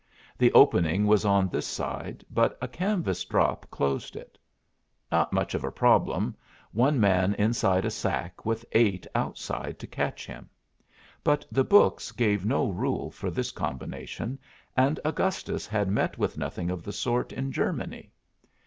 The opening was on this side, but a canvas drop closed it. Not much of a problem one man inside a sack with eight outside to catch him! But the books gave no rule for this combination, and Augustus had met with nothing of the sort in Germany.